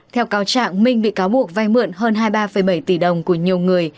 theo cáo trạng minh bị cáo buộc vay mượn hơn hai mươi ba bảy tỷ đồng của nhiều người